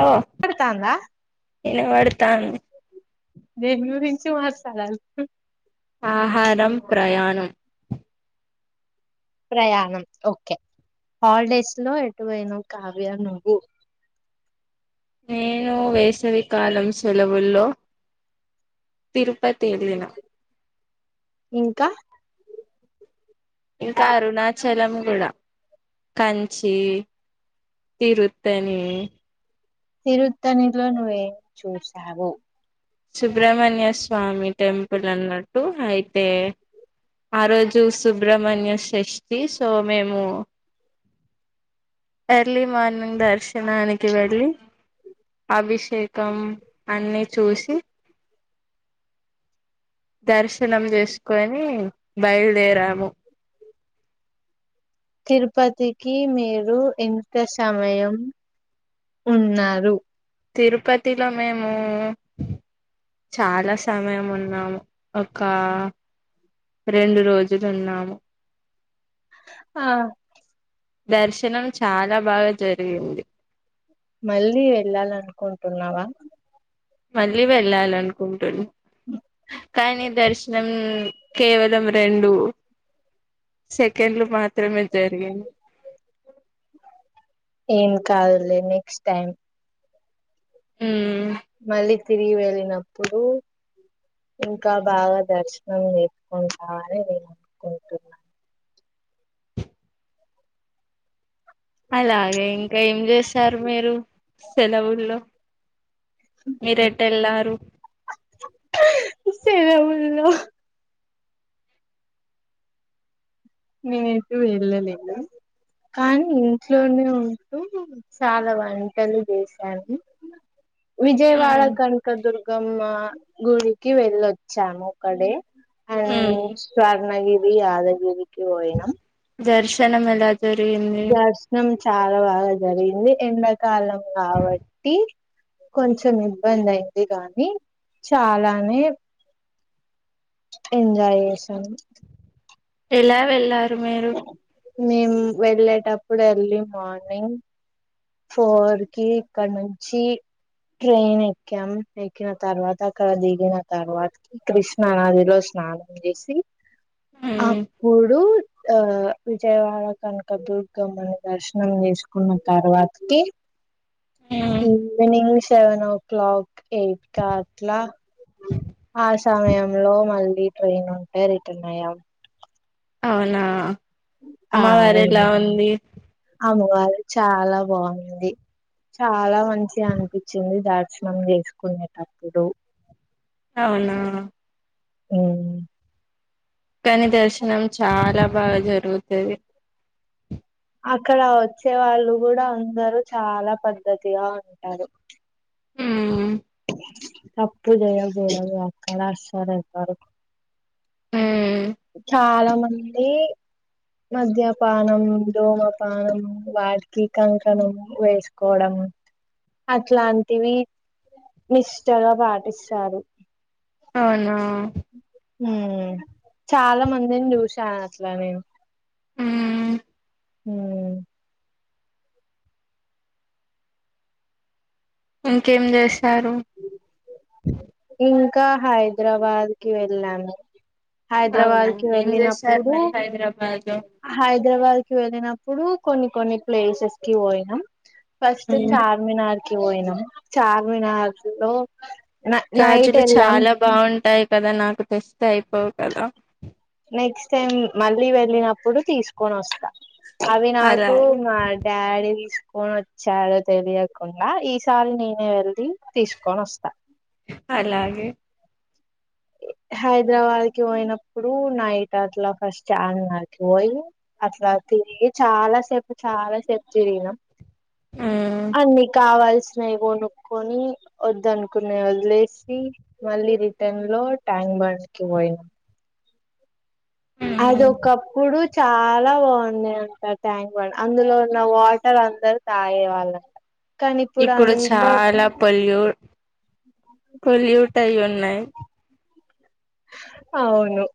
Hello పడుతాందా ఇనపడుతోంది దెను గురించి మాట్లాడాలి ఆహారం ప్రయాణం ప్రయాణం ఓకే హాలిడేస్ లో ఎటు పోయినవు కావ్య నువ్వు నేను వేసవికాలం సెలవుల్లో తిరుపతి వెళ్ళిన ఇంకా ఇంకా అరుణాచలం కూడా కంచి తిరుత్తణి తరుధనిలో నువ్వేం చూశావు సుబ్రహ్మణ్య స్వామి టెంపుల్ అన్నట్టు అయితే ఆ రోజు సుబ్ర్మణ్య షష్ఠి సో మేము ఎర్లీ మార్నింగ్ దర్శనానికి వెళ్ళి అభిష్ అభిషేకం అన్నీ చూసి దర్శనం చేసుకొని బయలుదేరాము తిరుపతికి మీరు ఎంత సమయం ఉన్నారు తిరుపతిలో మేము చాలా సమయం ఉన్నాము ఒక రెండు రోజులున్నాము హా దర్శనం చాలా బాగా జరిగింది మళ్ళీ వెళ్ళాలనుకుంటున్నావా మళ్ళీ వెళ్ళాలనుకుంటున్ కానీ దర్శనం కేవలం రెండు సెకండ్లు మాత్రమే జరిగింది ఏం కాదులే నెక్స్ట్ టైం హ్మ్ మళ్ళీ తిరిగి వెళ్ళినప్పుడు ఇంకా బాగా దర్శనం చేసుకుంటావనే అని నేను అనుకుంటున్నా అలాగే ఇంకా ఏం చేశారు మీరు సెలవుల్లో మీరెటేళ్లారు సెలవుల్లో నేన్ ఎటు వెళ్ళలేదు కానీ ఇంట్లోనే ఉంటూ చాలా వంటలు చేసాను విజయవాడ ఉమ్ కనకదుర్గ గమ్మ గుడికి వెళ్ళొచ్చాము ఒకడే అండ్ ఉమ్ స్వర్ణగిరి యాదగిరికి పోయినాం దర్శనం ఎలా జరిగింది దర్శనం చాలా బాగా జరిగింది ఎండాకాలం కావట్టి కొంచెం ఇబ్బంది అయింది గానీ చాలానే ఎంజాయ్ చేసాం ఎలా వెళ్ళార్ మేం వెళ్ళేటప్పుడు ఎర్లీ మార్నింగ్ ఫోర్ కీ ఇక్కడనుంచి ట్రైన్ ఎక్కాం ఎక్కిన తర్వాత అక్కడ దిగిన తర్వాత కృష్ణనదిలో స్నా స్నానం చేసి ఉమ్ అప్పుడు ఆ విజయవాడ కనుక దుర్గమ్మని దర్శనం చేసుకున్న తర్వా కీ ఉమ్ evening seven o'clock eight కా అట్లా ఆ సమయంలో మళ్ళీ ట్రెయిన్ ఉంటే రిటర్న్ అయ్యాం అవునా ఆ అమ్మవారు ఎలా ఉంది వార్ చాలా బాగుంది చాలా మంచిగా అనిపించింది దర్శనం చేసుకునేటప్పుడు అవునా హ్మ్ కాని దర్శనం చాలా బాగా జరుగుతది అక్కడ వచ్చే వాళ్ళు కూడా అందరూ చాలా పద్ధతిగా ఉంటారు హ్మ్ తప్పు జెయ్యకూడదు అక్కడ అస్సలు ఎవ్వరు ఉమ్ చాలా మంది మద్యపానం దోమపానం వాటికి కంకణం వేసుకోవడం అట్లాంటివి నిష్టగా పాటిస్తారు అవునా ఉ చాలా మందిని చూశా అట్లానే ఉ ఉ ఇంకేం చేస్తారు ఇంకా హైదరాబాదికి వెళ్లాను అవునా హైదరాబాద్ కి ఏం చేశారు వెళ్లినప్పుడు మరి హైదరాబాద్ లో హైదరాబాద్ కి వెళ్ళినప్పుడు కొన్ని కొన్ని ప్లేసెస్ కి పోయినం ఫస్ట్ చార్మినార్ కి పోయినం చార్మినార్ లో నైట్ గాజులు వెళ్ళాం చాలా బాగుంటాయి కదా నాకు తెస్తే అయిపోవు కదా నెక్స్ట్ టైం మళ్ళీ వెళ్లినప్పుడు తీసుకొని వస్తా అవి నాకు అలాగే మా డాడీ తీస్ పోన వచ్చాడు తెలియకుండా ఈసారి నేనే వెళ్ది తీసుకొని వస్తా అలాగే హైదరాబాద్ కి పోయినప్పుడు నైట్ అట్లా ఫస్ట్ చార్మినార్ కి పోయి అట్లా తిరిగి చాలా సేపు చాలా సేపు తిరిగినం ఉమ్ అన్ని కావాల్సి సీనై కొనుక్కొని వద్దనుకున్నాయి వదిలేసి మళ్ళీ రిటర్న్ లో ట్యాంక్ బండ్ కి పోయినా అదొక్కప్పుడు చాలా బాగుంది అంట ట్యాంక్ బండ్ అందులో ఉన్న వాటర్ అందరు తాగే వాళ్ళంట ఇప్పుడు చాలా పొలు పొల్యూట్ అయ్యి ఉన్నాయి అవును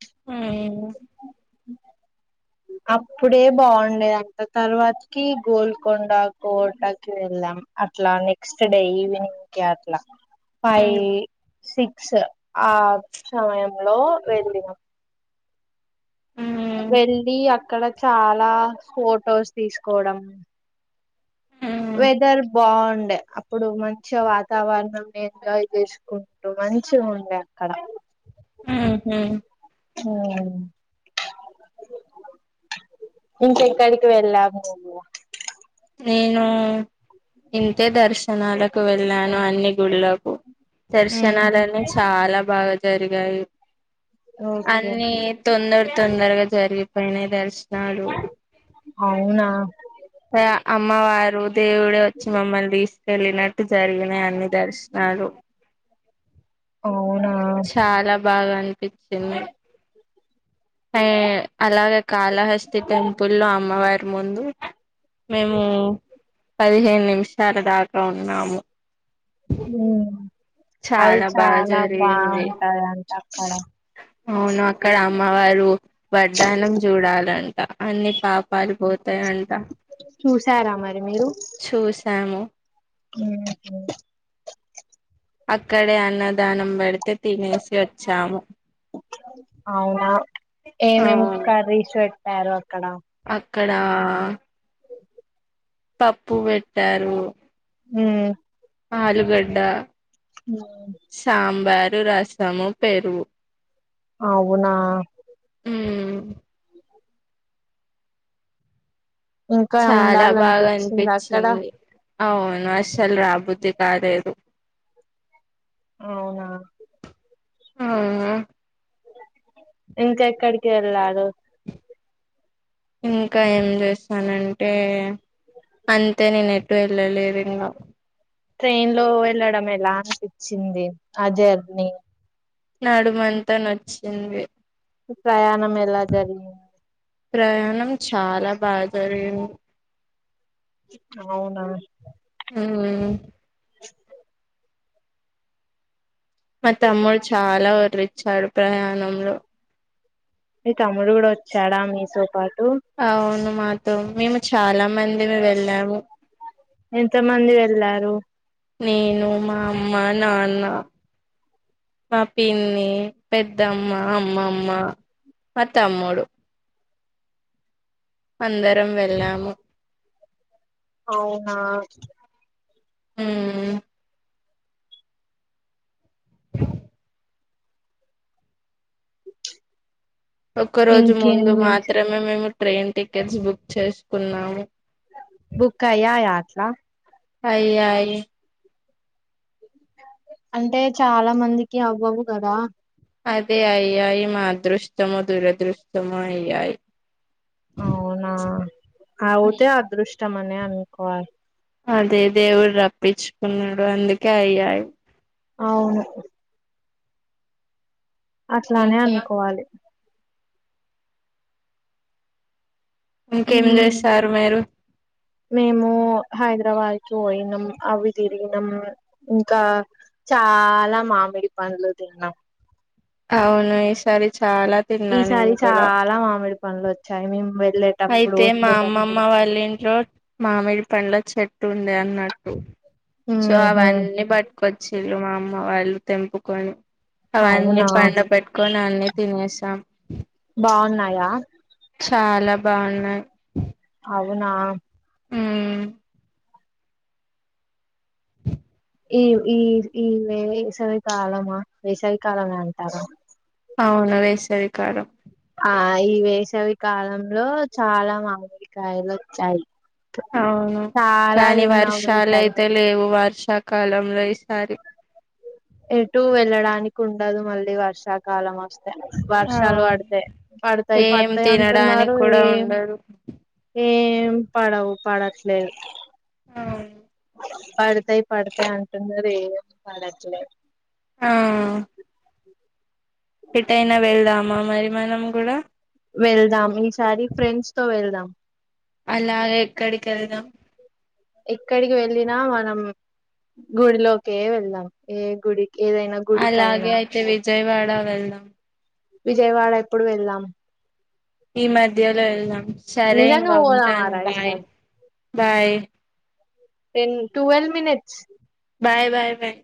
ఉమ్ అప్పుడే బావుండేది అక్క అంత తర్వాతకి గోల్కొండ కోటకి వెళ్ళామ్ మె అట్లా నెక్స్ట్ డే ఈవినింగ్ కి అట్లా ఫైవ్ ఉమ్ సిక్స్ ఆ సమయంలో వెళ్ళినం ఉమ్ వెల్లి అక్కడ చాలా ఫొటోస్ తీసుకోవడం ఉమ్ వెదర్ బావుండే అప్పుడు మంచిగ వాతావరణం ని ఎంజాయ్ చేసుకుంటూ మంచిగుండే అక్కడ ఉహు ఓ ఇంకెక్కడికి వెళ్లావు నువ్వు నేను ఇంతే దర్శనాలకు వెళ్ళాను అన్ని గుడులకు ఉమ్ దర్శనాలన్నీ చాలా బాగా జరిగాయి ఓకే అన్నీ తొందర తొందరగా జరిగిపోయినాయి దర్శనాలు అవునా రా అమ్మవారు దేవుడే వచ్చి మమ్మల్ని తీసుకెళ్లినట్టు జరిగినాయి అన్ని దర్శనాలు అవునా చాలా బాగా అనిపించింది ఏ అలాగే కాళహస్తి టెంపుల్ లో అమ్మవారి ముందు మేము పదిహేను నిమిషాల దాకా ఉన్నాము ఉమ్ అది చాలా బాగా చాలా జరిగింది బాగుంటదంట అక్కడ అవును అక్కడ అమ్మవారు వడ్డానం చూడాలంట అన్ని పా పాపాలు పోతాయంట చూసారా మరి మీరు చూసాము. [unintelligible] అక్కడే అన్నదానం పెడితే తినేసి వచ్చాము. అవునా ఏమేం అవును కర్రీస్ పెట్టారు అక్కడ. అక్కడా పప్పు పెట్టారు. హ్ ఆలుగడ్డా, సాంబార్ రసము, పెరుగు. అవునా మ్మ్ ఇంకా చాలా బాగా ఉండాలనిపించింది అక్కడ అనిపిచ్చింది అవున్. నస్సలు రాబుద్ధి కాలేదు. అవునా అవునా ఇంక ఎక్కడికెల్లారు? ఇంకా ఏం చేస్తానంటే అంతే నేను ఎటు ఎల్లలేదు ఇంగా ట్రైన్ లో వెళ్ళడం ఎలా అనిపిచ్చింది ఆ జర్నీ. నడుమంతా నొచ్చింది. ప్రయాణం ఎలా జరిగి ప్రయాణం చాలా బాగా జరిగింది. అవునా హ్మ్ మా తమ్ముడు చాలా ఒర్రిచ్చాడు ప్రయాణంలో. మీ తమ్ముడు కూడా వచ్చాడా మీతో పాటు. అవును మాతో మేము చాలా మందిమి వెళ్ళాము. ఎంత మంది వెళ్లారు? నేను, మా అమ్మానాన్న. మా పిన్ని, పెద్దమ్మ, అమ్మమ్మ మా తమ్ముడు. అందరం వెళ్ళాము. అవునా హ్ ఒక్కరోజు ముందు ఇంకేంది మాత్రమే మేము ట్రైన్ టికెట్స్ బుక్ చేసుకున్నాము. బుక్ అయ్యాయా అట్లా. అయ్యాయి. అంటే చాలా మందికి అవ్వవు కదా. అదే అయ్యాయి మా అదృష్టమో దురదృష్టమో అయ్యాయి. అవునా అవుతే అదృష్టమనే అనుకోవాలి. అదే దేవుడు రప్పించుకున్నడు అందుకే అయ్యాయి. అవును అట్లానే ఇంకా అనుకోవాలి. ఇంకేం చేశారు మీరు మేము హైదరాబాద్ పోయినం అవి తిరిగినం ఇంకా. చాలా మామిడి పండ్లు తిన్నాం అవును ఈ సారి చ ఈసారి చాలా మామిడి పండ్లు వచ్చాయి మే అయితే మా అమ్మమ్మ వాళ్ళ ఇంట్లో మామిడి పండ్ల చెట్టు ఉంది అన్నట్టు సో ఉహు అవన్నీ పట్టుకొచ్చి మా అమ్మ వాళ్ళు తెంపుకొని అవన్నీ అవునా పండ పెట్టుకొని అన్ని తినేసాం వున్నాయా చాలా బాగున్నాయి అవునా హమ్ ఈ ఈ ఈ వేసవి కాలమా వేసవికాలమే అంటారా అవును వేసవి కాలం ఆ ఈ వేసవి కాలంలో చాలా మామిడి కాయలు వచ్చాయి అవును చాలా కానీ తిన్నాము వర్షాలు ఈసారి అయితే లేవు వర్ష వర్ష కాలంలో ఈసారి ఎటు వెళ్ళడానికి ఉండదు మళ్ళీ వర్షాకాలం వస్తే ఆ వర్షాలు పడితే పడతాయి ఏం పడతాయి తినడానికి అంటున్నారు కూడా ఏం ఉండదు ఏం పడవు పడట్లేదు అవును పడతాయి పడతాయి అంటున్నారు ఏం పడట్లేదు ఆ ఎటైనా వెళ్దామా మరి మనం కూడా వెళ్దాం ఈసారి ఫ్రెండ్స్ తో వెళ్దాం అలా ఎక్కడికి వెళదాం ఎక్కడికి వెళ్ళిన మనం గుడిలోకే వెళ్దాం ఏ గుడి అలాగే అయితే విజయవాడ వెళ్దాం విజయవాడ ఎప్పుడు వెళ్దాం ఈ మధ్యలో వెళ్దాం సరే నిజంగా ఇంకా ఉంటాను పోదామారా బాయ్ ఈసారి bye ten twelve minutes bye bye bye